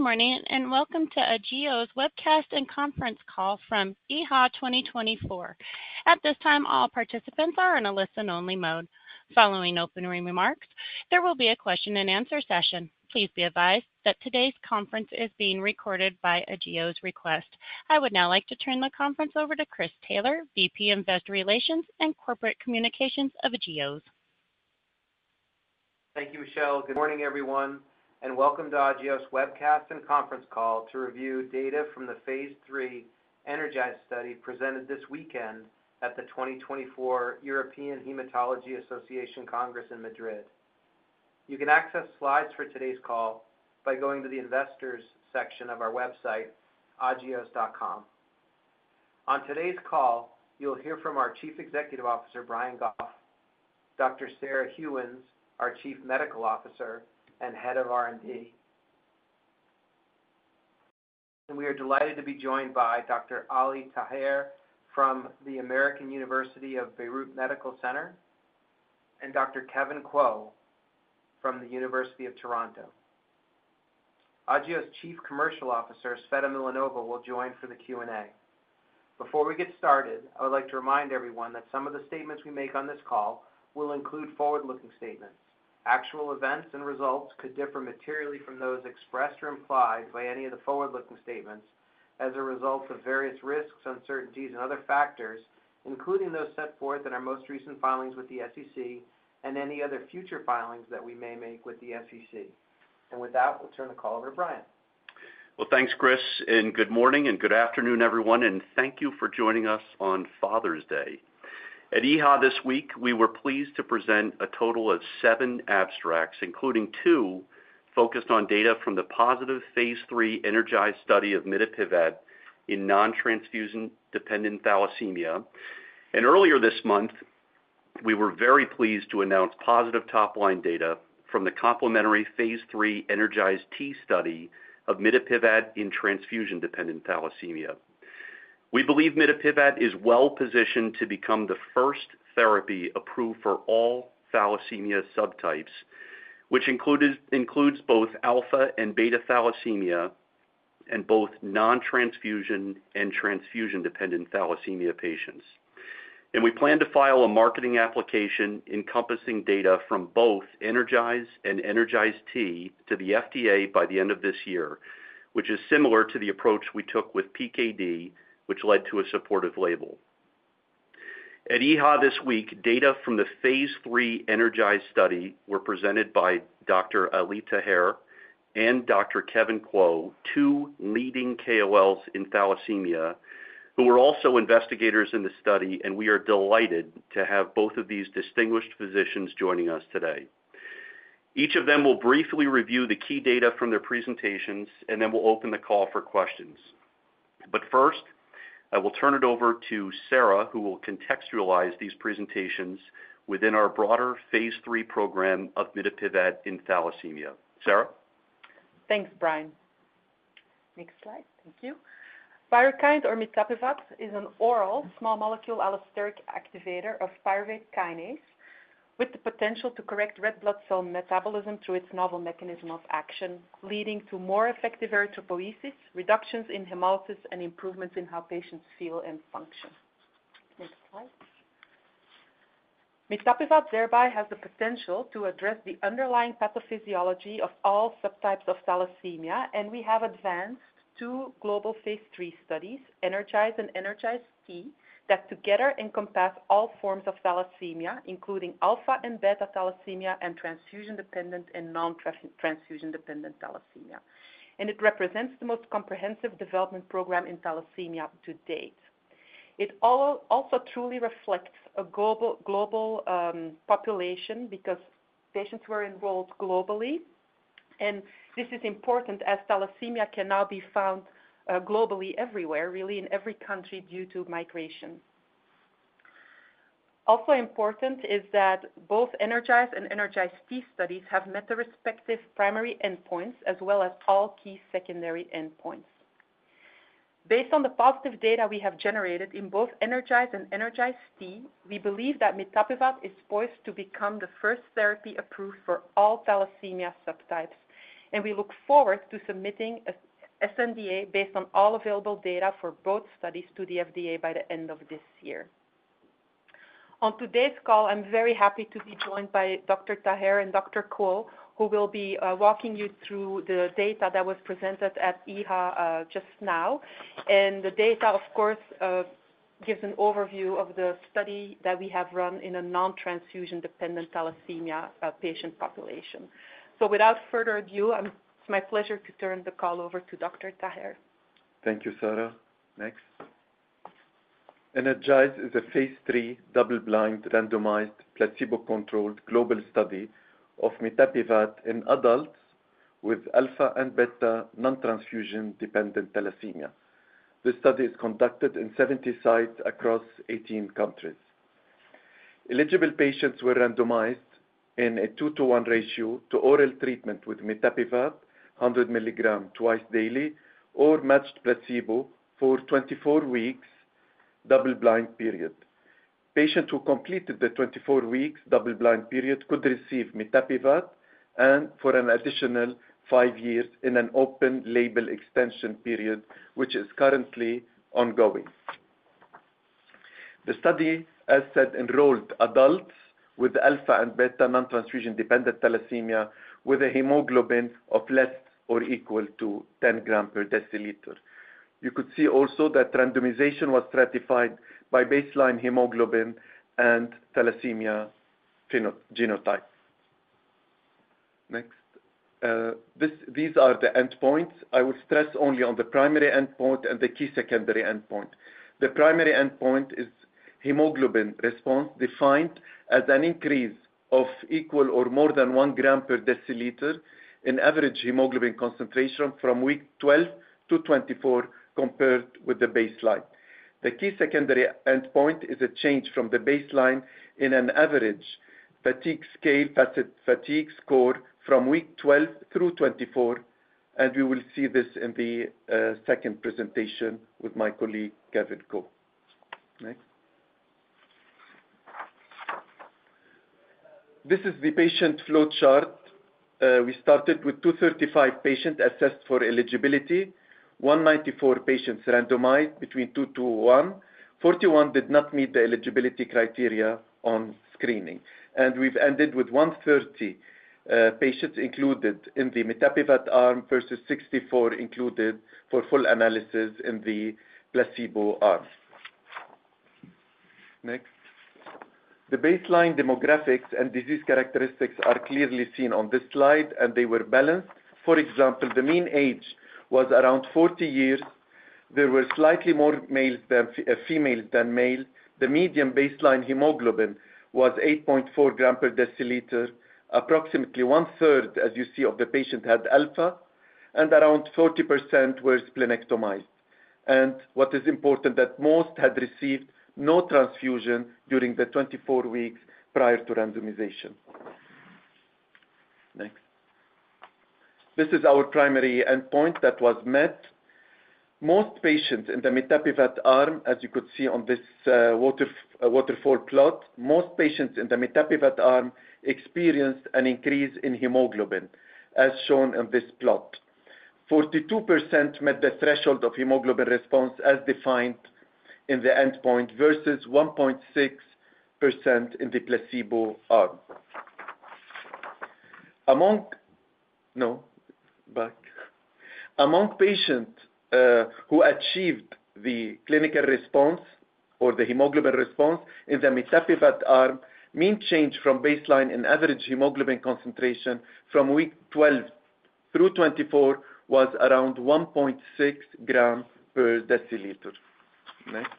Good morning and welcome to Agios' webcast and Conference Call from EHA 2024. At this time, all participants are in a listen-only mode. Following opening remarks, there will be a question-and-answer session. Please be advised that today's conference is being recorded by Agios' request. I would now like to turn the conference over to Chris Taylor, VP Investor Relations and Corporate Communications of Agios. Thank you, Michelle. Good morning, everyone, and welcome to Agios' webcast and conference call to review data from the phase 3 Energize study presented this weekend at the 2024 European Hematology Association Congress in Madrid. You can access slides for today's call by going to the Investors section of our website, agios.com. On today's call, you'll hear from our Chief Executive Officer, Brian Goff, Dr. Sarah Gheuens, our Chief Medical Officer, and Head of R&D. We are delighted to be joined by Dr. Ali Taher from the American University of Beirut Medical Center and Dr. Kevin Kuo from the University of Toronto. Agios' Chief Commercial Officer, Tsveta Milanova, will join for the Q&A. Before we get started, I would like to remind everyone that some of the statements we make on this call will include forward-looking statements. Actual events and results could differ materially from those expressed or implied by any of the forward-looking statements as a result of various risks, uncertainties, and other factors, including those set forth in our most recent filings with the SEC and any other future filings that we may make with the SEC. With that, we'll turn the call over to Brian. Well, thanks, Chris, and good morning and good afternoon, everyone, and thank you for joining us on Father's Day. At EHA this week, we were pleased to present a total of seven abstracts, including two focused on data from the positive phase 3 Energize study of mitapivat in non-transfusion-dependent thalassemia. Earlier this month, we were very pleased to announce positive top-line data from the complementary phase 3 Energize-T study of mitapivat in transfusion-dependent thalassemia. We believe mitapivat is well positioned to become the first therapy approved for all thalassemia subtypes, which includes both alpha and beta thalassemia and both non-transfusion and transfusion-dependent thalassemia patients. We plan to file a marketing application encompassing data from both Energize and Energize-T to the FDA by the end of this year, which is similar to the approach we took with PKD, which led to a supportive label. At EHA this week, data from the phase 3 Energize study were presented by Dr. Ali Taher and Dr. Kevin Kuo, two leading KOLs in thalassemia, who were also investigators in the study, and we are delighted to have both of these distinguished physicians joining us today. Each of them will briefly review the key data from their presentations, and then we'll open the call for questions. First, I will turn it over to Sarah, who will contextualize these presentations within our broader phase 3 program of mitapivat in thalassemia. Sarah? Thanks, Brian. Next slide. Thank you. PYRUKYND or mitapivat is an oral small-molecule allosteric activator of pyruvate kinase with the potential to correct red blood cell metabolism through its novel mechanism of action, leading to more effective erythropoiesis, reductions in hemolysis, and improvements in how patients feel and function. Next slide. Mitapivat thereby has the potential to address the underlying pathophysiology of all subtypes of thalassemia, and we have advanced two global phase 3 studies, Energize and Energize-T, that together encompass all forms of thalassemia, including alpha and beta thalassemia and transfusion-dependent and non-transfusion-dependent thalassemia. It represents the most comprehensive development program in thalassemia to date. It also truly reflects a global population because patients were enrolled globally, and this is important as thalassemia can now be found globally everywhere, really in every country due to migration. Also important is that both Energize and Energize-T studies have met the respective primary endpoints as well as all key secondary endpoints. Based on the positive data we have generated in both Energize and Energize-T, we believe that mitapivat is poised to become the first therapy approved for all thalassemia subtypes, and we look forward to submitting an SNDA based on all available data for both studies to the FDA by the end of this year. On today's call, I'm very happy to be joined by Dr. Taher and Dr. Kuo, who will be walking you through the data that was presented at EHA just now. The data, of course, gives an overview of the study that we have run in a non-transfusion-dependent thalassemia patient population. Without further ado, it's my pleasure to turn the call over to Dr. Taher. Thank you, Sarah. Next. Energize is a phase 3 double-blind randomized placebo-controlled global study of mitapivat in adults with alpha and beta non-transfusion-dependent thalassemia. This study is conducted in 70 sites across 18 countries. Eligible patients were randomized in a 2-to-1 ratio to oral treatment with mitapivat 100 milligrams twice daily or matched placebo for 24 weeks double-blind period. Patients who completed the 24-week double-blind period could receive mitapivat and for an additional 5 years in an open label extension period, which is currently ongoing. The study, as said, enrolled adults with alpha and beta non-transfusion-dependent thalassemia with a hemoglobin of less or equal to 10 grams per deciliter. You could see also that randomization was stratified by baseline hemoglobin and thalassemia phenotype. Next. These are the endpoints. I will stress only on the primary endpoint and the key secondary endpoint. The primary endpoint is hemoglobin response defined as an increase of equal or more than one gram per deciliter in average hemoglobin concentration from week 12 to 24 compared with the baseline. The key secondary endpoint is a change from the baseline in an average fatigue scale, fatigue score from week 12 through 24, and we will see this in the second presentation with my colleague Kevin Kuo. Next. This is the patient flow chart. We started with 235 patients assessed for eligibility, 194 patients randomized between 2 to 1, 41 did not meet the eligibility criteria on screening, and we've ended with 130 patients included in the mitapivat arm versus 64 included for full analysis in the placebo arm. Next. The baseline demographics and disease characteristics are clearly seen on this slide, and they were balanced. For example, the mean age was around 40 years. There were slightly more females than males. The median baseline hemoglobin was 8.4 grams per deciliter. Approximately one-third, as you see, of the patients had alpha, and around 40% were splenectomized. What is important is that most had received no transfusion during the 24 weeks prior to randomization. Next. This is our primary endpoint that was met. Most patients in the mitapivat arm, as you could see on this waterfall plot, most patients in the mitapivat arm experienced an increase in hemoglobin as shown in this plot. 42% met the threshold of hemoglobin response as defined in the endpoint versus 1.6% in the placebo arm. Among patients who achieved the clinical response or the hemoglobin response in the mitapivat arm, mean change from baseline in average hemoglobin concentration from week 12 through 24 was around 1.6 grams per deciliter. Next.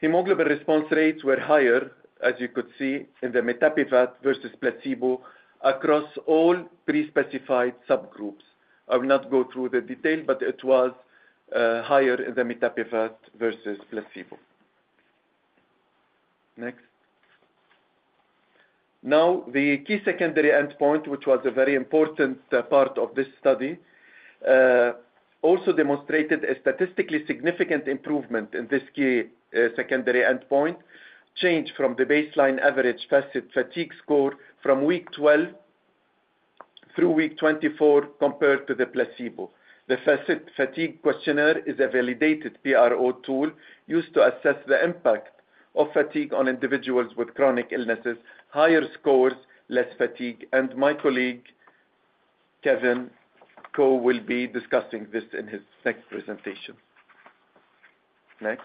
Hemoglobin response rates were higher, as you could see, in the mitapivat versus placebo across all pre-specified subgroups. I will not go through the detail, but it was higher in the mitapivat versus placebo. Next. Now, the key secondary endpoint, which was a very important part of this study, also demonstrated a statistically significant improvement in this key secondary endpoint, change from the baseline average fatigue score from week 12 through week 24 compared to the placebo. The FACIT-Fatigue questionnaire is a validated PRO tool used to assess the impact of fatigue on individuals with chronic illnesses. Higher scores, less fatigue, and my colleague Kevin Kuo will be discussing this in his next presentation. Next.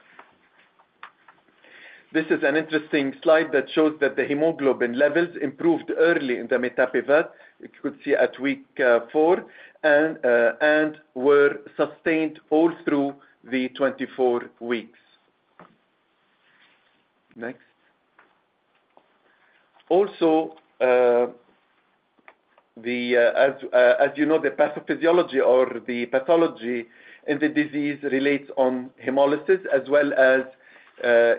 This is an interesting slide that shows that the hemoglobin levels improved early in the mitapivat, you could see at week 4, and were sustained all through the 24 weeks. Next. Also, as you know, the pathophysiology or the pathology in the disease relates on hemolysis as well as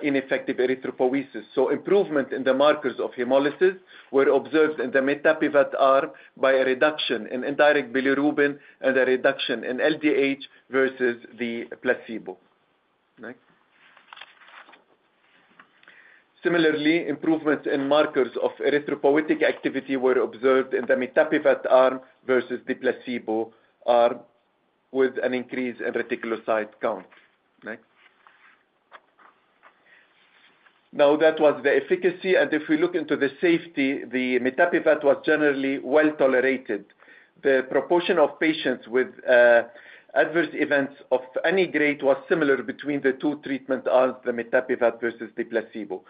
ineffective erythropoiesis. So improvement in the markers of hemolysis were observed in the mitapivat arm by a reduction in indirect bilirubin and a reduction in LDH versus the placebo. Next. Similarly, improvements in markers of erythropoietic activity were observed in the mitapivat arm versus the placebo arm with an increase in reticulocyte count. Next. Now, that was the efficacy, and if we look into the safety, the mitapivat was generally well tolerated. The proportion of patients with adverse events of any grade was similar between the two treatment arms, the mitapivat versus the placebo.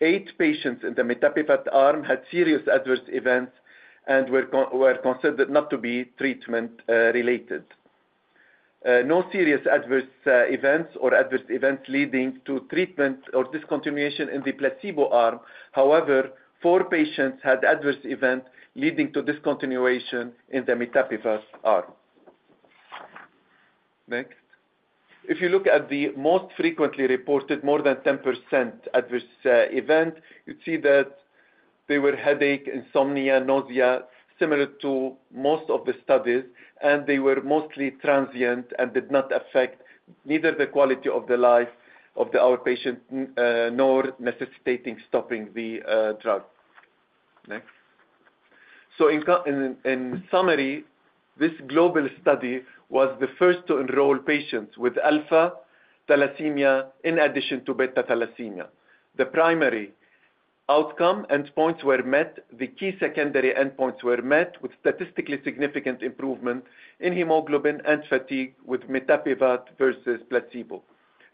8 patients in the mitapivat arm had serious adverse events and were considered not to be treatment-related. No serious adverse events or adverse events leading to treatment or discontinuation in the placebo arm. However, four patients had adverse events leading to discontinuation in the mitapivat arm. Next. If you look at the most frequently reported, more than 10% adverse event, you'd see that they were headache, insomnia, nausea, similar to most of the studies, and they were mostly transient and did not affect neither the quality of life of our patients nor necessitating stopping the drug. Next. So in summary, this global study was the first to enroll patients with alpha thalassemia in addition to beta thalassemia. The primary outcome endpoints were met. The key secondary endpoints were met with statistically significant improvement in hemoglobin and fatigue with mitapivat versus placebo.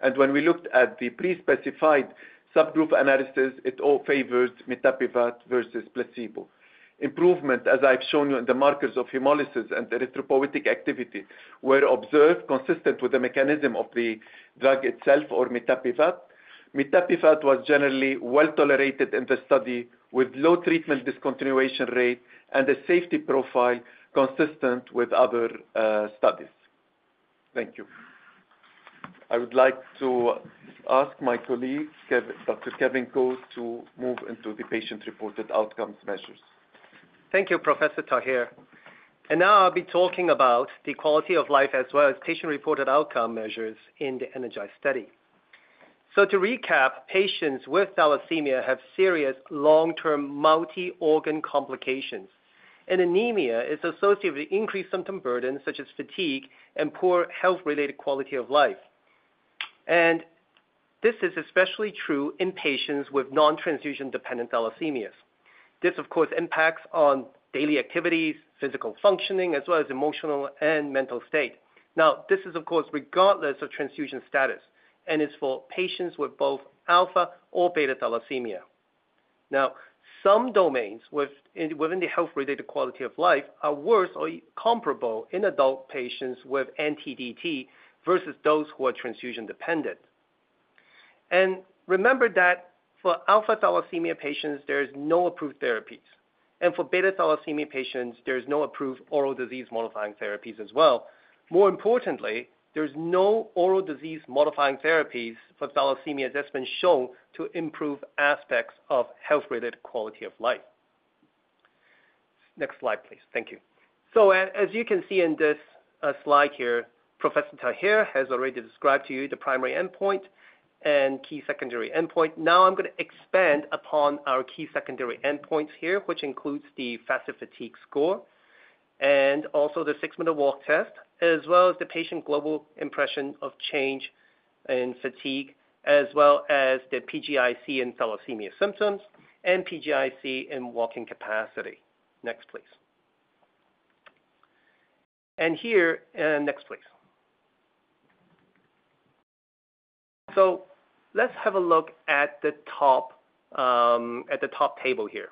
And when we looked at the pre-specified subgroup analysis, it all favored mitapivat versus placebo. Improvement, as I've shown you in the markers of hemolysis and erythropoietic activity, were observed consistent with the mechanism of the drug itself or mitapivat. Mitapivat was generally well tolerated in the study with low treatment discontinuation rate and a safety profile consistent with other studies. Thank you. I would like to ask my colleague, Dr. Kevin Kuo, to move into the patient-reported outcomes measures. Thank you, Professor Taher. Now I'll be talking about the quality of life as well as patient-reported outcome measures in the Energize study. To recap, patients with thalassemia have serious long-term multi-organ complications. Anemia is associated with increased symptom burden such as fatigue and poor health-related quality of life. This is especially true in patients with non-transfusion-dependent thalassemias. This, of course, impacts on daily activities, physical functioning, as well as emotional and mental state. Now, this is, of course, regardless of transfusion status, and it's for patients with both alpha or beta thalassemia. Now, some domains within the health-related quality of life are worse or comparable in adult patients with NTDT versus those who are transfusion-dependent. Remember that for alpha thalassemia patients, there are no approved therapies. For beta thalassemia patients, there are no approved oral disease modifying therapies as well. More importantly, there are no oral disease modifying therapies for thalassemia that's been shown to improve aspects of health-related quality of life. Next slide, please. Thank you. So as you can see in this slide here, Professor Taher has already described to you the primary endpoint and key secondary endpoint. Now I'm going to expand upon our key secondary endpoints here, which includes the FACIT-Fatigue score and also the 6-minute walk tiredness, as well as the patient global impression of change in fatigue, as well as the PGIC in thalassemia symptoms and PGIC in walking capacity. Next, please. And here, next, please. So let's have a look at the top table here.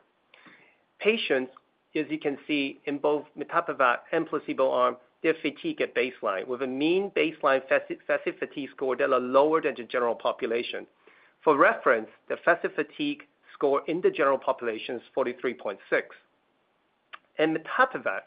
Patients, as you can see in both mitapivat and placebo arm, they're fatigued at baseline with a mean baseline FACIT-Fatigue score that is lower than the general population. For reference, the FACIT-Fatigue score in the general population is 43.6. Mitapivat,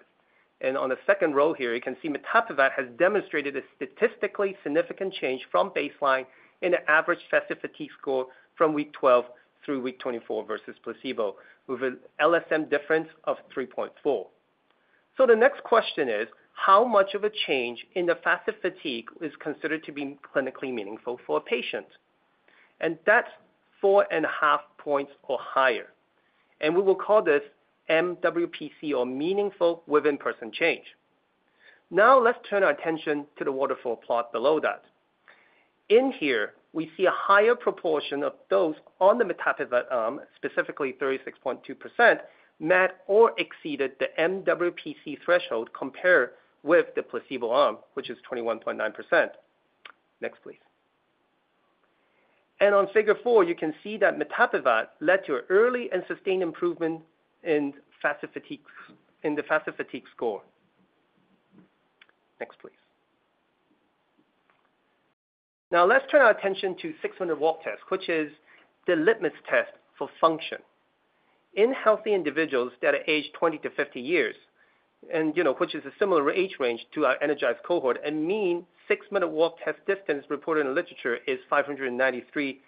and on the second row here, you can see mitapivat has demonstrated a statistically significant change from baseline in the average FACIT-Fatigue score from week 12 through week 24 versus placebo with an LSM difference of 3.4. So the next question is, how much of a change in the FACIT-Fatigue is considered to be clinically meaningful for a patient? And that's 4.5 points or higher. And we will call this MWPC or meaningful within-person change. Now let's turn our attention to the waterfall plot below that. In here, we see a higher proportion of those on the mitapivat arm, specifically 36.2%, met or exceeded the MWPC threshold compared with the placebo arm, which is 21.9%. Next, please. On Figure 4, you can see that mitapivat led to early and sustained improvement in the FACIT-Fatigue score. Next, please. Now let's turn our attention to the 6-minute walk test, which is the litmus test for function. In healthy individuals that are aged 20-50 years, and which is a similar age range to our Energize cohort, a mean six-minute walk test distance reported in the literature is 593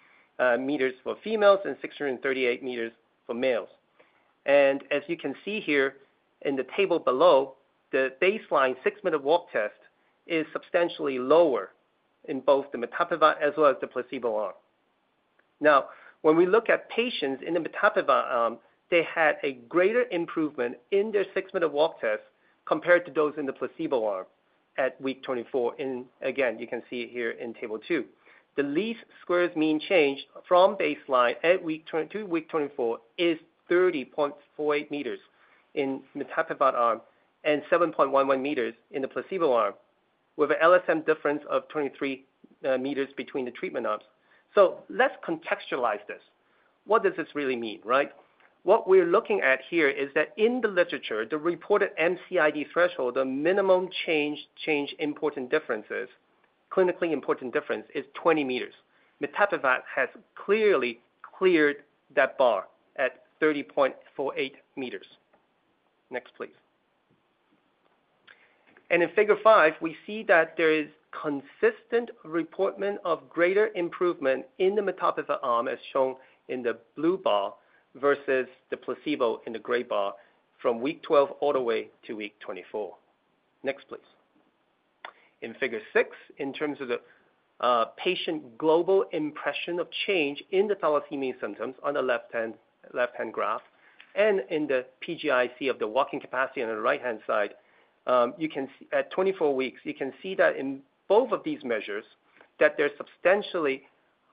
meters for females and 638 meters for males. As you can see here in the table below, the baseline six-minute walk test is substantially lower in both the mitapivat as well as the placebo arm. Now, when we look at patients in the mitapivat arm, they had a greater improvement in their six-minute walk test compared to those in the placebo arm at week 24. Again, you can see it here in Table 2. The least squares mean change from baseline at week 22 to week 24 is 30.48 meters in mitapivat arm and 7.11 meters in the placebo arm with an LSM difference of 23 meters between the treatment arms. So let's contextualize this. What does this really mean? Right? What we're looking at here is that in the literature, the reported MCID threshold, the minimum change important differences, clinically important difference is 20 meters. Mitapivat has clearly cleared that bar at 30.48 meters. Next, please. In Figure 5, we see that there is consistent reporting of greater improvement in the mitapivat arm as shown in the blue bar versus the placebo in the gray bar from week 12 all the way to week 24. Next, please. In Figure 6, in terms of the patient global impression of change in the thalassemia symptoms on the left-hand graph and in the PGIC of the walking capacity on the right-hand side, you can see at 24 weeks, you can see that in both of these measures that there's substantially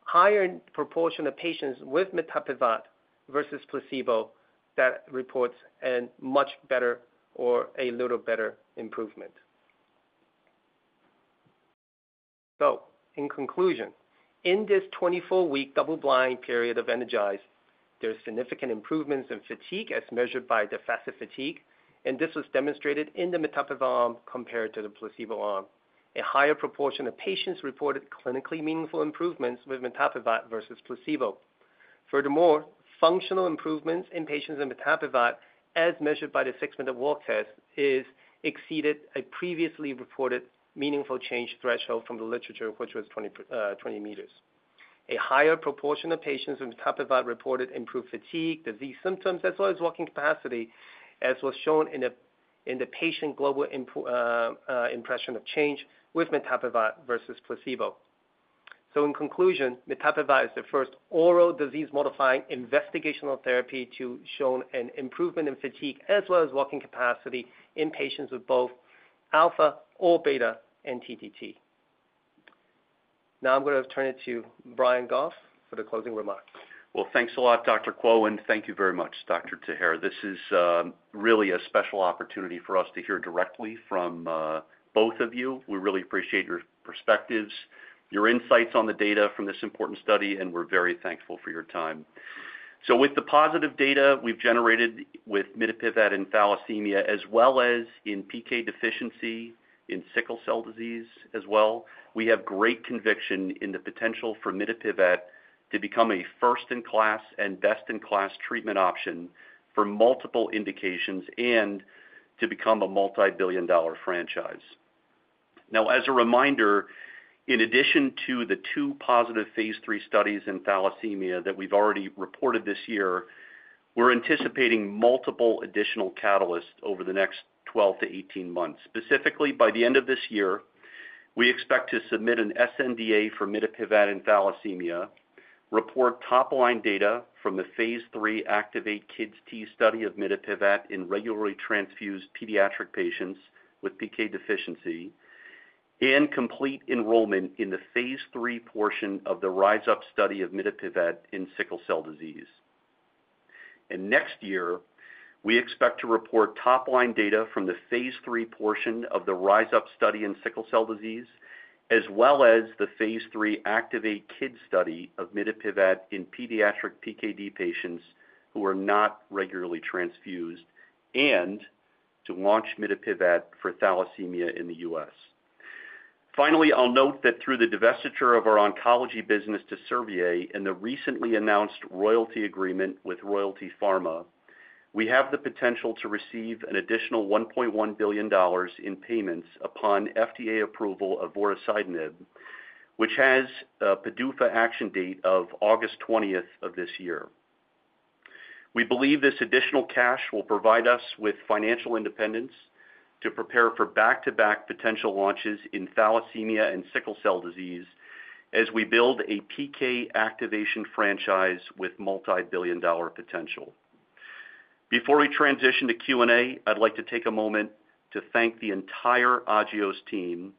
higher proportion of patients with mitapivat versus placebo that reports a much better or a little better improvement. So in conclusion, in this 24-week double-blind period of Energize, there are significant improvements in fatigue as measured by the FACIT-Fatigue. This was demonstrated in the mitapivat arm compared to the placebo arm. A higher proportion of patients reported clinically meaningful improvements with mitapivat versus placebo. Furthermore, functional improvements in patients in mitapivat as measured by the 6-minute walk test exceeded a previously reported meaningful change threshold from the literature, which was 20 meters. A higher proportion of patients with mitapivat reported improved fatigue, disease symptoms, as well as walking capacity, as was shown in the Patient Global Impression of Change with mitapivat versus placebo. So in conclusion, mitapivat is the first oral disease-modifying investigational therapy to show an improvement in fatigue as well as walking capacity in patients with both alpha or beta NTDT. Now I'm going to turn it to Brian Goff for the closing remarks. Well, thanks a lot, Dr. Kuo, and thank you very much, Dr. Taher. This is really a special opportunity for us to hear directly from both of you. We really appreciate your perspectives, your insights on the data from this important study, and we're very thankful for your time. So with the positive data we've generated with mitapivat in thalassemia as well as in PK deficiency in sickle cell disease as well, we have great conviction in the potential for mitapivat to become a first-in-class and best-in-class treatment option for multiple indications and to become a multi-billion dollar franchise. Now, as a reminder, in addition to the two positive phase 3 studies in thalassemia that we've already reported this year, we're anticipating multiple additional catalysts over the next 12-18 months. Specifically, by the end of this year, we expect to submit an SNDA for mitapivat in thalassemia, report top-line data from the phase 3 Activate Kids T study of mitapivat in regularly transfused pediatric patients with PK deficiency, and complete enrollment in the phase 3 portion of the RISE-UP study of mitapivat in sickle cell disease. Next year, we expect to report top-line data from the phase 3 portion of the RISE-UP study in sickle cell disease, as well as the phase 3 Activate Kids study of mitapivat in pediatric PKD patients who are not regularly transfused, and to launch mitapivat for thalassemia in the U.S. Finally, I'll note that through the divestiture of our oncology business to Servier and the recently announced royalty agreement with Royalty Pharma, we have the potential to receive an additional $1.1 billion in payments upon FDA approval of vorasidenib, which has a PDUFA action date of August 20th of this year. We believe this additional cash will provide us with financial independence to prepare for back-to-back potential launches in thalassemia and sickle cell disease as we build a PK activation franchise with multi-billion dollar potential. Before we transition to Q&A, I'd like to take a moment to thank the entire Agios team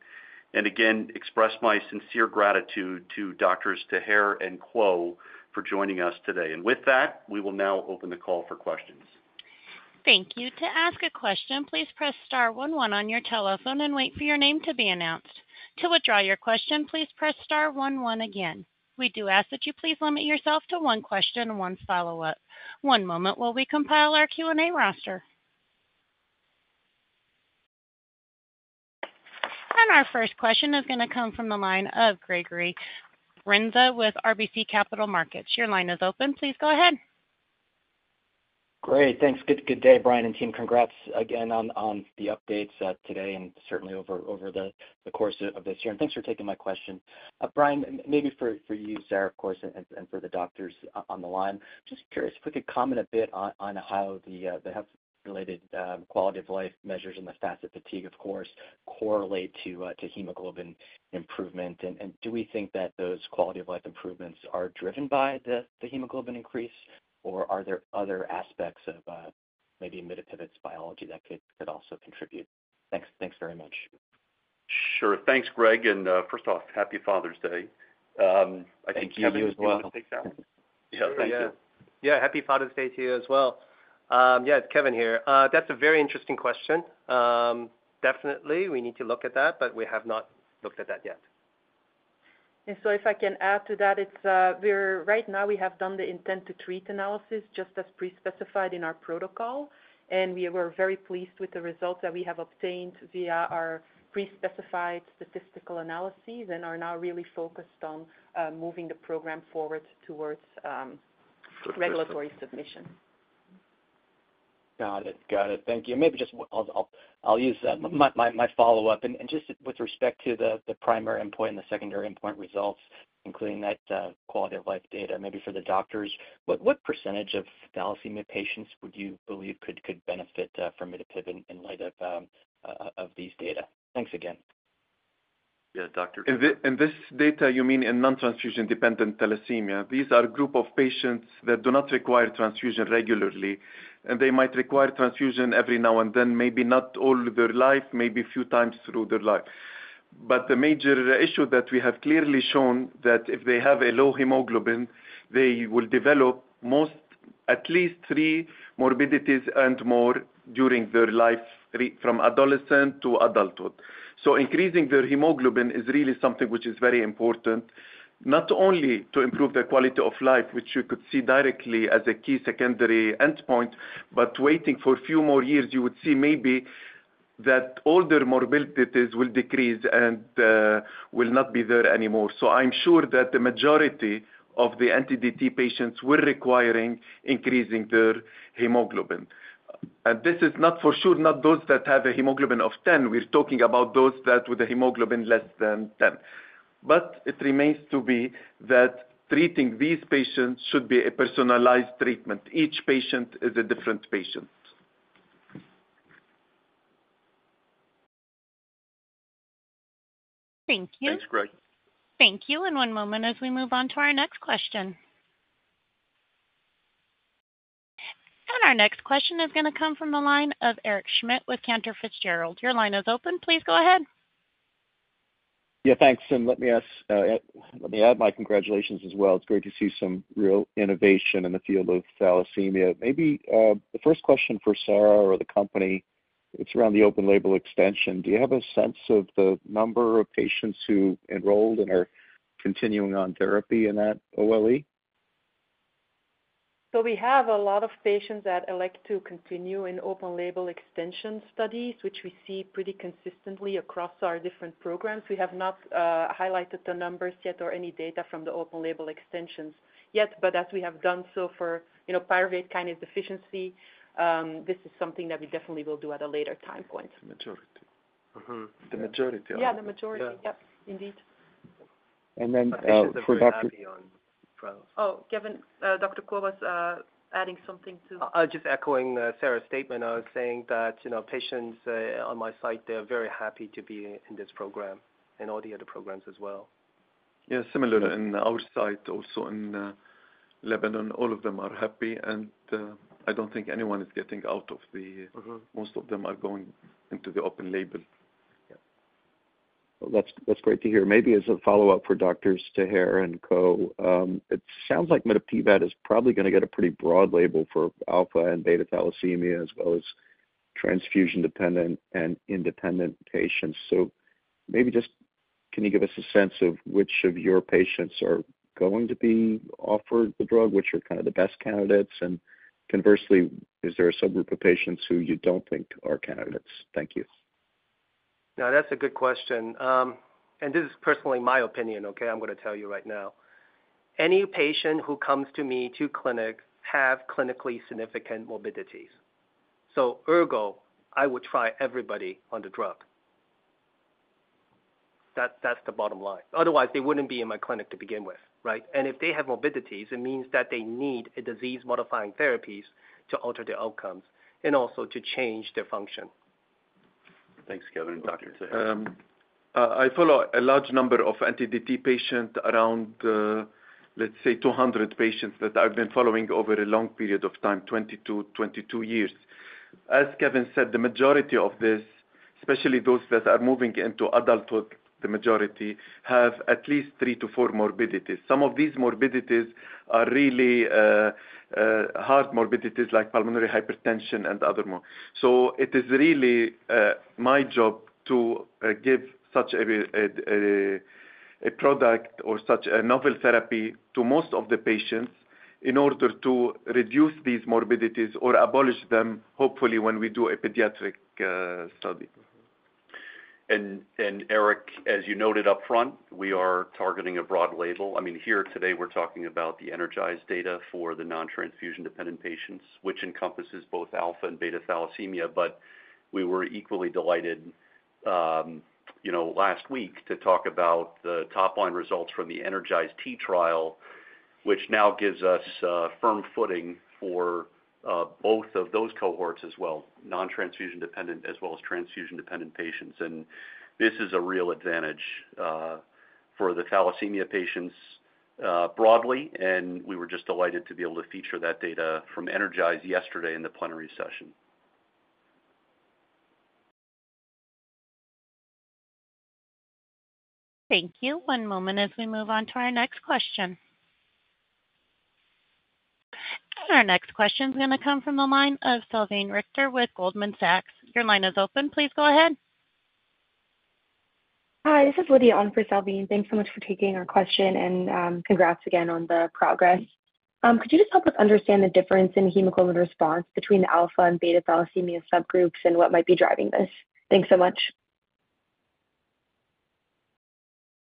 and again express my sincere gratitude to Doctors Taher and Kuo for joining us today. And with that, we will now open the call for questions. Thank you. To ask a question, please press star 11 on your telephone and wait for your name to be announced. To withdraw your question, please press star 11 again. We do ask that you please limit yourself to one question and one follow-up. One moment while we compile our Q&A roster. Our first question is going to come from the line of Gregory Renza with RBC Capital Markets. Your line is open. Please go ahead. Great. Thanks. Good day, Brian and team. Congrats again on the updates today and certainly over the course of this year. Thanks for taking my question. Brian, maybe for you, Sarah, of course, and for the doctors on the line, just curious if we could comment a bit on how the health-related quality of life measures and the FACIT fatigue, of course, correlate to hemoglobin improvement. And do we think that those quality of life improvements are driven by the hemoglobin increase, or are there other aspects of maybe mitapivat's biology that could also contribute? Thanks very much. Sure. Thanks, Greg. First off, happy Father's Day. I think you as well. Thank you. Yeah, thank you. Yeah, happy Father's Day to you as well. Yeah, it's Kevin here. That's a very interesting question. Definitely, we need to look at that, but we have not looked at that yet. So if I can add to that, right now we have done the intent to treat analysis just as pre-specified in our protocol. We were very pleased with the results that we have obtained via our pre-specified statistical analyses and are now really focused on moving the program forward towards regulatory submission. Got it. Got it. Thank you. Maybe just I'll use my follow-up. Just with respect to the primary endpoint and the secondary endpoint results, including that quality of life data, maybe for the doctors, what percentage of thalassemia patients would you believe could benefit from mitapivat in light of these data? Thanks again. Yeah, Doctor. In this data, you mean in non-transfusion-dependent thalassemia. These are a group of patients that do not require transfusion regularly. They might require transfusion every now and then, maybe not all their life, maybe a few times through their life. But the major issue that we have clearly shown is that if they have a low hemoglobin, they will develop at least three morbidities and more during their life from adolescence to adulthood. So increasing their hemoglobin is really something which is very important, not only to improve their quality of life, which you could see directly as a key secondary endpoint, but waiting for a few more years, you would see maybe that older morbidities will decrease and will not be there anymore. So I'm sure that the majority of the NTDT patients were requiring increasing their hemoglobin. This is not, for sure, not those that have a hemoglobin of 10. We're talking about those that with a hemoglobin less than 10. But it remains to be that treating these patients should be a personalized treatment. Each patient is a different patient. Thank you. Thanks, Greg. Thank you. And one moment as we move on to our next question. And our next question is going to come from the line of Eric Schmidt with Cantor Fitzgerald. Your line is open. Please go ahead. Yeah, thanks. And let me add my congratulations as well. It's great to see some real innovation in the field of thalassemia. Maybe the first question for Sarah or the company, it's around the open-label extension. Do you have a sense of the number of patients who enrolled and are continuing on therapy in that OLE? We have a lot of patients that elect to continue in open-label extension studies, which we see pretty consistently across our different programs. We have not highlighted the numbers yet or any data from the open-label extensions yet. But as we have done so for pyruvate kinase deficiency, this is something that we definitely will do at a later time point. The majority. The majority, yeah. Yeah, the majority. Yep, indeed. Then for Doctor. Oh, Kevin, Doctor Kuo was adding something too. I'm just echoing Sarah's statement. I was saying that patients on my site, they're very happy to be in this program and all the other programs as well. Yeah, similar in our site also in Lebanon. All of them are happy. I don't think anyone is getting out. Most of them are going into the open-label. That's great to hear. Maybe as a follow-up for Doctors Taher and Kuo, it sounds like mitapivat is probably going to get a pretty broad label for alpha and beta thalassemia as well as transfusion-dependent and independent patients. So maybe just can you give us a sense of which of your patients are going to be offered the drug, which are kind of the best candidates? And conversely, is there a subgroup of patients who you don't think are candidates? Thank you. Now, that's a good question. And this is personally my opinion, okay? I'm going to tell you right now. Any patient who comes to me to clinic has clinically significant morbidities. So ergo, I would try everybody on the drug. That's the bottom line. Otherwise, they wouldn't be in my clinic to begin with, right? If they have morbidities, it means that they need disease-modifying therapies to alter their outcomes and also to change their function. Thanks, Kevin. Doctor Taher. I follow a large number of NTDT patients around, let's say, 200 patients that I've been following over a long period of time, 20-22 years. As Kevin said, the majority of these, especially those that are moving into adulthood, the majority have at least three to four morbidities. Some of these morbidities are really hard morbidities like pulmonary hypertension and other more. So it is really my job to give such a product or such a novel therapy to most of the patients in order to reduce these morbidities or abolish them, hopefully, when we do a pediatric study. And Eric, as you noted upfront, we are targeting a broad label. I mean, here today, we're talking about the Energize data for the non-transfusion-dependent patients, which encompasses both alpha and beta thalassemia. But we were equally delighted last week to talk about the top-line results from the Energize-T trial, which now gives us firm footing for both of those cohorts as well, non-transfusion-dependent as well as transfusion-dependent patients. And this is a real advantage for the thalassemia patients broadly. And we were just delighted to be able to feature that data from Energize yesterday in the plenary session. Thank you. One moment as we move on to our next question. Our next question is going to come from the line of Salveen Richter with Goldman Sachs. Your line is open. Please go ahead. Hi, this is Lydia Ong for Salveen. Thanks so much for taking our question. Congrats again on the progress. Could you just help us understand the difference in hemoglobin response between the alpha and beta thalassemia subgroups and what might be driving this? Thanks so much.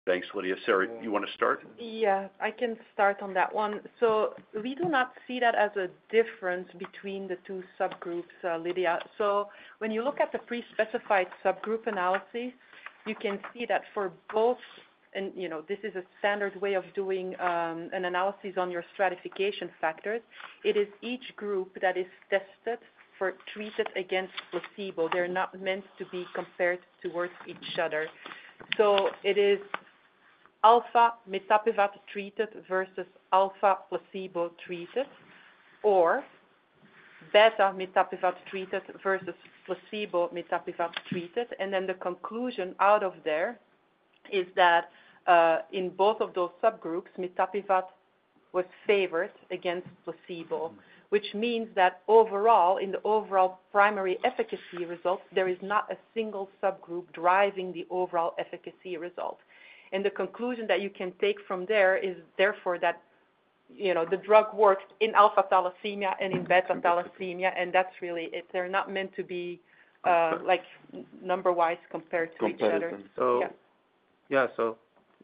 Thanks, Lydia. Sarah, you want to start? Yeah, I can start on that one. So we do not see that as a difference between the two subgroups, Lydia. So when you look at the pre-specified subgroup analysis, you can see that for both, and this is a standard way of doing an analysis on your stratification factors, it is each group that is tested for treated against placebo. They're not meant to be compared towards each other. So it is alpha mitapivat treated versus alpha placebo treated, or beta mitapivat treated versus beta placebo treated. And then the conclusion out of there is that in both of those subgroups, mitapivat was favored against placebo, which means that overall, in the overall primary efficacy results, there is not a single subgroup driving the overall efficacy result. And the conclusion that you can take from there is therefore that the drug worked in alpha thalassemia and in beta thalassemia. That's really it. They're not meant to be number-wise compared to each other. Yeah. So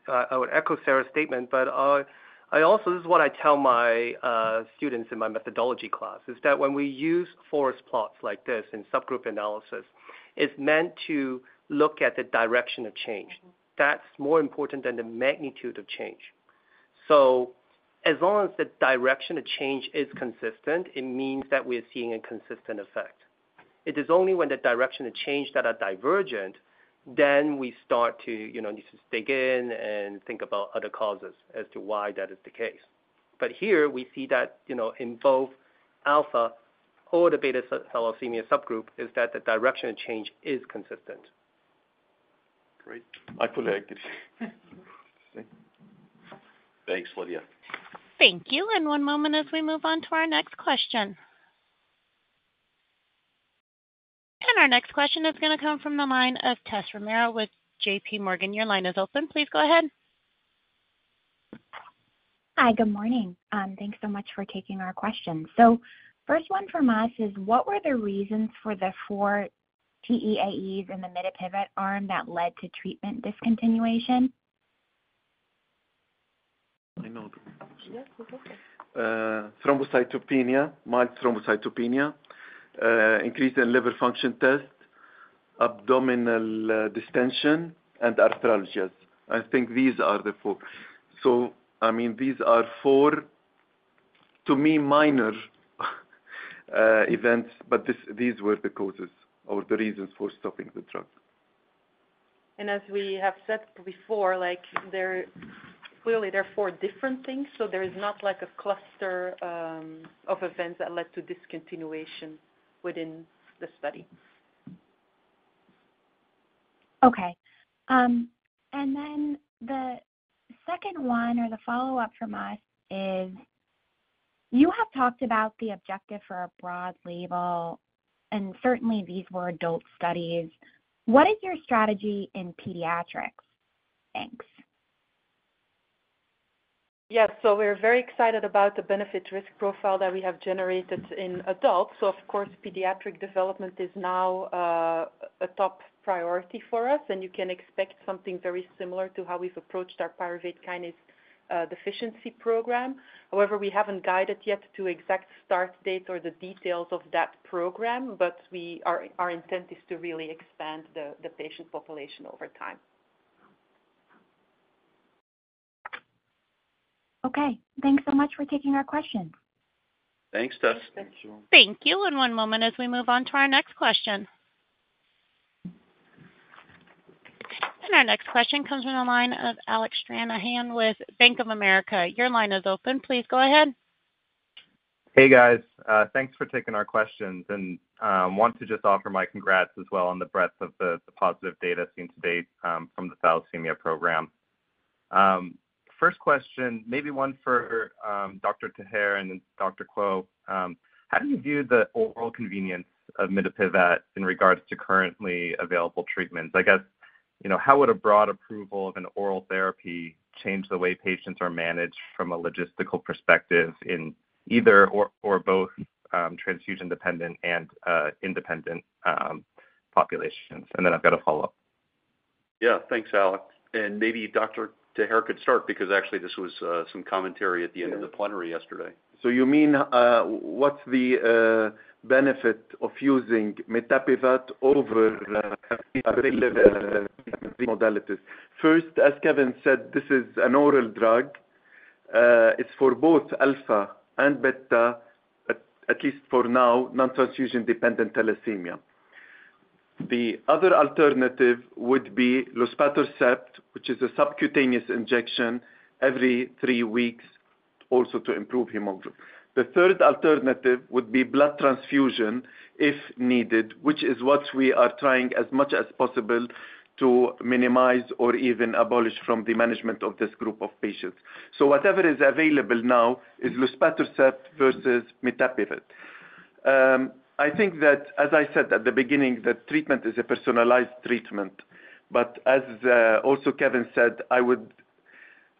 I would echo Sarah's statement. But this is what I tell my students in my methodology class, is that when we use forest plots like this in subgroup analysis, it's meant to look at the direction of change. That's more important than the magnitude of change. So as long as the direction of change is consistent, it means that we are seeing a consistent effect. It is only when the direction of change that are divergent, then we start to dig in and think about other causes as to why that is the case. But here, we see that in both alpha or the beta thalassemia subgroup is that the direction of change is consistent. Great. I feel like it. Thanks, Lydia. Thank you. One moment as we move on to our next question. Our next question is going to come from the line of Tessa Romero with J.P. Morgan. Your line is open. Please go ahead. Hi, good morning. Thanks so much for taking our questions. So first one from us is, what were the reasons for the four TEAEs in the mitapivat arm that led to treatment discontinuation? Thrombocytopenia, mild thrombocytopenia, increased in liver function test, abdominal distension, and arthralgias. I think these are the four. So I mean, these are four, to me, minor events, but these were the causes or the reasons for stopping the drug. As we have said before, clearly, there are four different things. There is not a cluster of events that led to discontinuation within the study. Okay. And then the second one or the follow-up from us is, you have talked about the objective for a broad label, and certainly, these were adult studies. What is your strategy in pediatrics? Thanks. Yes. So we're very excited about the benefit-risk profile that we have generated in adults. So of course, pediatric development is now a top priority for us. And you can expect something very similar to how we've approached our pyruvate kinase deficiency program. However, we haven't guided yet to exact start date or the details of that program. But our intent is to really expand the patient population over time. Okay. Thanks so much for taking our questions. Thanks, Tsveta Milanova. Thank you. One moment as we move on to our next question. Our next question comes from the line of Alec Stranahan with Bank of America. Your line is open. Please go ahead. Hey, guys. Thanks for taking our questions. I want to just offer my congrats as well on the breadth of the positive data seen to date from the thalassemia program. First question, maybe one for Doctor Taher and Doctor Kuo. How do you view the overall convenience of mitapivat in regards to currently available treatments? I guess, how would a broad approval of an oral therapy change the way patients are managed from a logistical perspective in either or both transfusion-dependent and independent populations? And then I've got a follow-up. Yeah, thanks, Alex. And maybe Dr. Taher could start because actually, this was some commentary at the end of the plenary yesterday. So you mean what's the benefit of using mitapivat over other modalities? First, as Kevin said, this is an oral drug. It's for both alpha and beta, at least for now, non-transfusion-dependent thalassemia. The other alternative would be luspatercept, which is a subcutaneous injection every 3 weeks also to improve hemoglobin. The third alternative would be blood transfusion if needed, which is what we are trying as much as possible to minimize or even abolish from the management of this group of patients. So whatever is available now is luspatercept versus mitapivat. I think that, as I said at the beginning, that treatment is a personalized treatment. But as also Kevin said,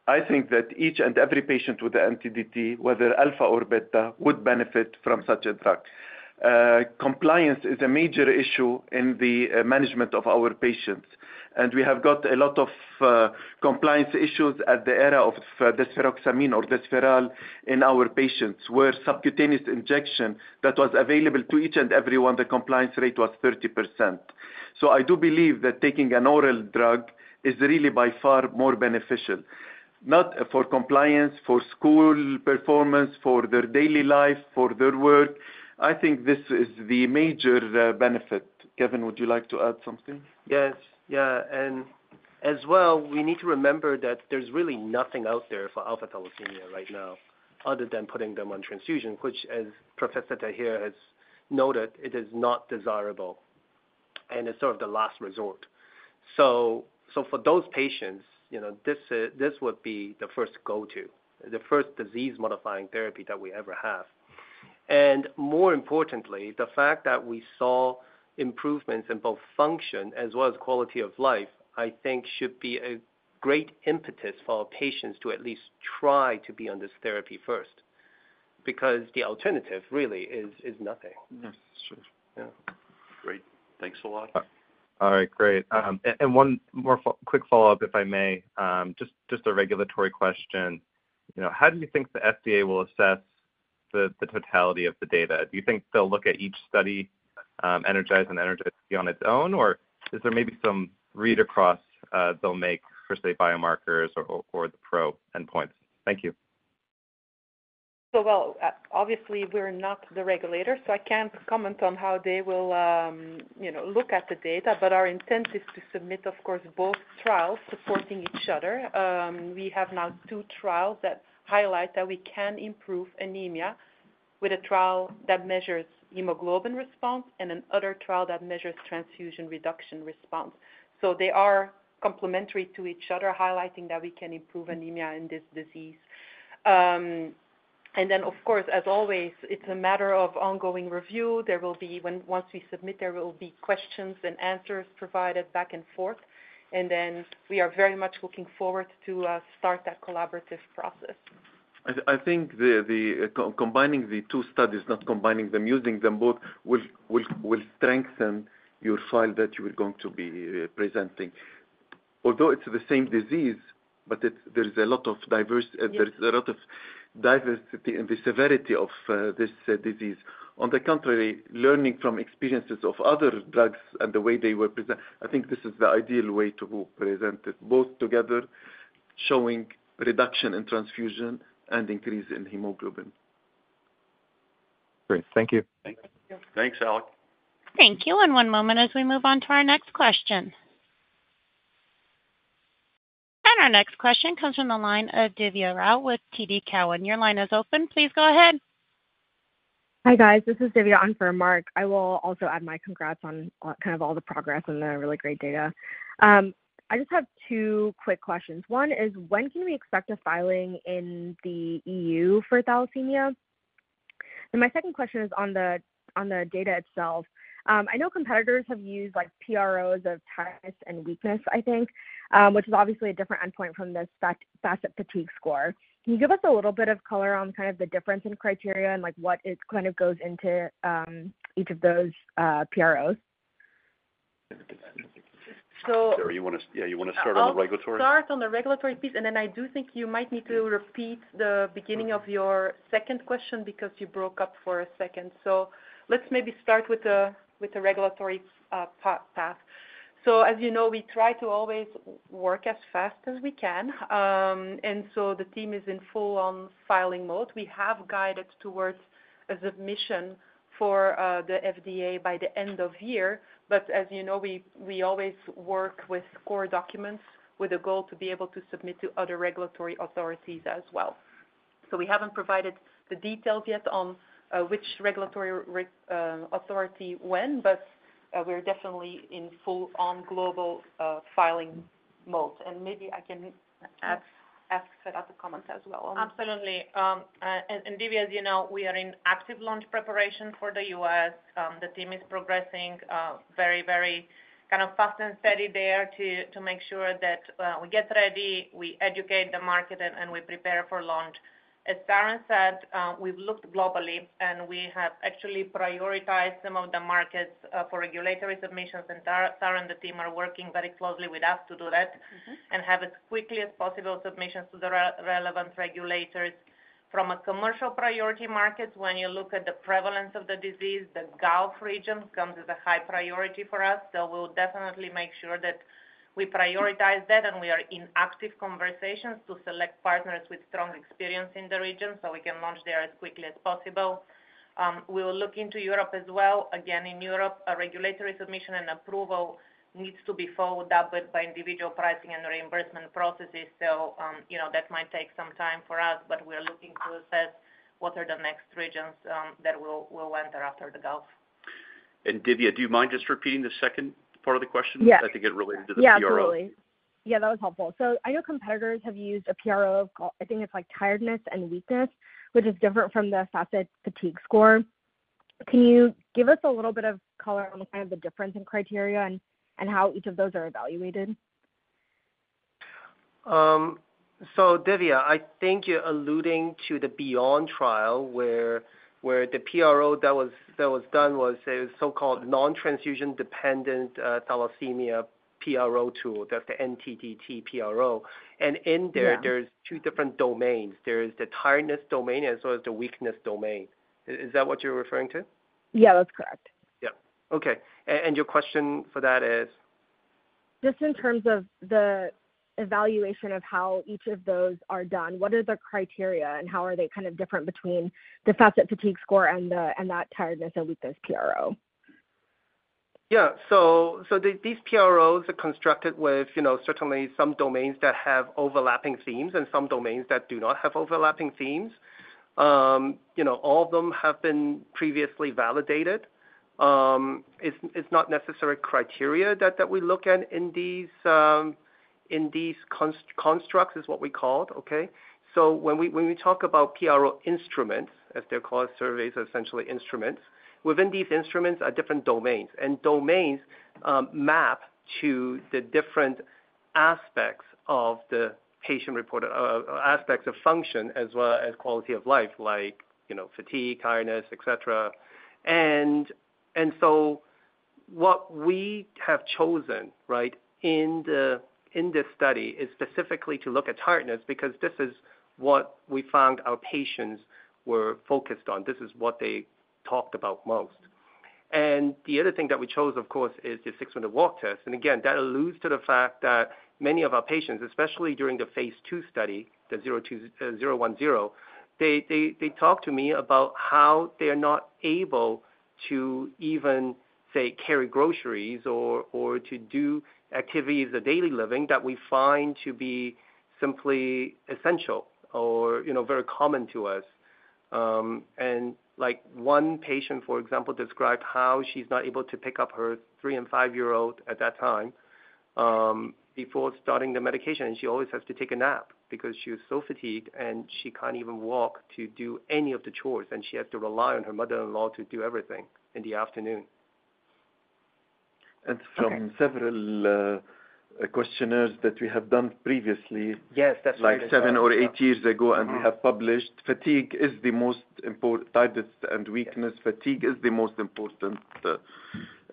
I think that each and every patient with the NTDT, whether alpha or beta, would benefit from such a drug. Compliance is a major issue in the management of our patients. And we have got a lot of compliance issues in the era of deferoxamine or Desferal in our patients where subcutaneous injection that was available to each and everyone, the compliance rate was 30%. So I do believe that taking an oral drug is really by far more beneficial, not for compliance, for school performance, for their daily life, for their work. I think this is the major benefit. Kevin, would you like to add something? Yes. Yeah. And as well, we need to remember that there's really nothing out there for alpha thalassemia right now other than putting them on transfusion, which, as Professor Taher has noted, it is not desirable. And it's sort of the last resort. So for those patients, this would be the first go-to. The first disease-modifying therapy that we ever have. And more importantly, the fact that we saw improvements in both function as well as quality of life, I think, should be a great impetus for patients to at least try to be on this therapy first because the alternative really is nothing. Yeah. That's true. Yeah. Great. Thanks a lot. All right. Great. One more quick follow-up, if I may. Just a regulatory question. How do you think the FDA will assess the totality of the data? Do you think they'll look at each study, Energize and Energize-T on its own, or is there maybe some read across they'll make for, say, biomarkers or the PRO endpoints? Thank you. So well, obviously, we're not the regulator. So I can't comment on how they will look at the data. But our intent is to submit, of course, both trials supporting each other. We have now two trials that highlight that we can improve anemia with a trial that measures hemoglobin response and another trial that measures transfusion reduction response. So they are complementary to each other, highlighting that we can improve anemia in this disease. And then, of course, as always, it's a matter of ongoing review. Once we submit, there will be questions and answers provided back and forth. And then we are very much looking forward to start that collaborative process. I think combining the two studies, not combining them, using them both will strengthen your file that you are going to be presenting. Although it's the same disease, but there is a lot of diversity in the severity of this disease. On the contrary, learning from experiences of other drugs and the way they were presented, I think this is the ideal way to present it both together, showing reduction in transfusion and increase in hemoglobin. Great. Thank you. Thanks. Thanks, Alec. Thank you. One moment as we move on to our next question. Our next question comes from the line of Divya Rao with TD Cowen. Your line is open. Please go ahead. Hi guys. This is Divya Rao for Mark. I will also add my congrats on kind of all the progress and the really great data. I just have two quick questions. One is, when can we expect a filing in the EU for thalassemia? And my second question is on the data itself. I know competitors have used PROs of test and weakness, I think, which is obviously a different endpoint from the SF-, FACIT, and fatigue score. Can you give us a little bit of color on kind of the difference in criteria and what kind of goes into each of those PROs? Sarah, you want to start on the regulatory? I'll start on the regulatory piece. And then I do think you might need to repeat the beginning of your second question because you broke up for a second. So let's maybe start with the regulatory path. So as you know, we try to always work as fast as we can. And so the team is in full-on filing mode. We have guided towards a submission for the FDA by the end of year. But as you know, we always work with core documents with a goal to be able to submit to other regulatory authorities as well. So we haven't provided the details yet on which regulatory authority when, but we're definitely in full-on global filing mode. And maybe I can ask Tsveta to comment as well. Absolutely. And Divya, as you know, we are in active launch preparation for the U.S. The team is progressing very, very kind of fast and steady there to make sure that we get ready, we educate the market, and we prepare for launch. As Sarah said, we've looked globally, and we have actually prioritized some of the markets for regulatory submissions. And Sarah and the team are working very closely with us to do that and have as quickly as possible submissions to the relevant regulators. From a commercial priority market, when you look at the prevalence of the disease, the Gulf region comes as a high priority for us. So we will definitely make sure that we prioritize that. And we are in active conversations to select partners with strong experience in the region so we can launch there as quickly as possible. We will look into Europe as well. Again, in Europe, a regulatory submission and approval needs to be followed up with by individual pricing and reimbursement processes. That might take some time for us. But we are looking to assess what are the next regions that we'll enter after the Gulf. Divya, do you mind just repeating the second part of the question? Yes. Because I think it related to the PRO. Yes. Absolutely. Yeah, that was helpful. So I know competitors have used a PRO of I think it's tiredness and weakness, which is different from the FACIT-Fatigue score. Can you give us a little bit of color on kind of the difference in criteria and how each of those are evaluated? So Divya, I think you're alluding to the Beyond trial where the PRO that was done was a so-called non-transfusion-dependent thalassemia PRO tool. That's the NTDT PRO. And in there, there's two different domains. There is the tiredness domain as well as the weakness domain. Is that what you're referring to? Yeah, that's correct. Yeah. Okay. And your question for that is? Just in terms of the evaluation of how each of those are done, what are the criteria and how are they kind of different between the 6MWT, FACIT score, and that tiredness and weakness PRO? Yeah. So these PROs are constructed with certainly some domains that have overlapping themes and some domains that do not have overlapping themes. All of them have been previously validated. It's not necessary criteria that we look at in these constructs. It's what we call it. Okay? So when we talk about PRO instruments, as they're called, surveys are essentially instruments. Within these instruments are different domains. Domains map to the different aspects of the patient-reported aspects of function as well as quality of life like fatigue, tiredness, etc. So what we have chosen, right, in this study is specifically to look at tiredness because this is what we found our patients were focused on. This is what they talked about most. The other thing that we chose, of course, is the 6-minute walk test. Again, that alludes to the fact that many of our patients, especially during the phase 2 study, the 010, they talk to me about how they are not able to even, say, carry groceries or to do activities of daily living that we find to be simply essential or very common to us. And one patient, for example, described how she's not able to pick up her 3- and 5-year-old at that time before starting the medication. And she always has to take a nap because she was so fatigued. And she can't even walk to do any of the chores. And she has to rely on her mother-in-law to do everything in the afternoon. From several questionnaires that we have done previously. Yes, that's right. Like 7 or 8 years ago, and we have published, fatigue is the most important and weakness, fatigue is the most important. What do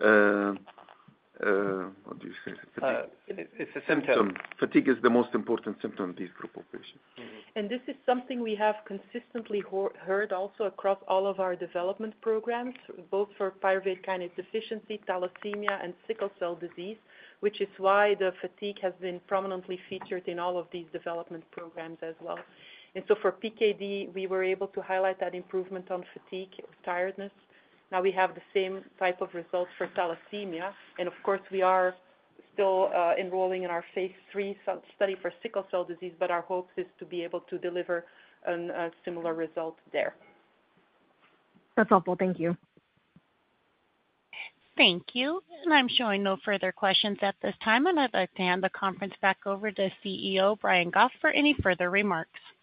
you say? It's a symptom. Fatigue is the most important symptom in these group of patients. This is something we have consistently heard also across all of our development programs, both for pyruvate kinase deficiency, thalassemia, and sickle cell disease, which is why the fatigue has been prominently featured in all of these development programs as well. So for PKD, we were able to highlight that improvement on fatigue or tiredness. Now we have the same type of results for thalassemia. Of course, we are still enrolling in our phase three study for sickle cell disease, but our hope is to be able to deliver a similar result there. That's helpful. Thank you. Thank you. I'm showing no further questions at this time. I'd like to hand the conference back over to CEO Brian Goff for any further remarks. Well,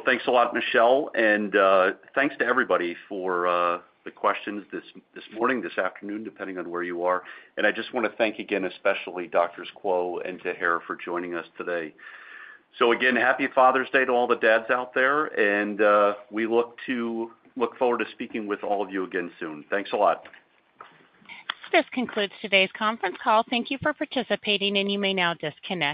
thanks a lot, Michelle. Thanks to everybody for the questions this morning, this afternoon, depending on where you are. I just want to thank again, especially Doctors Kuo and Taher for joining us today. Again, happy Father's Day to all the dads out there. We look forward to speaking with all of you again soon. Thanks a lot. This concludes today's conference call. Thank you for participating. You may now disconnect.